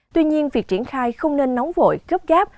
tuy nhiên việc triển khai không nên nóng vội gấp gáp